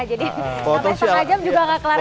jadi sampai setengah jam juga nggak kelar kelar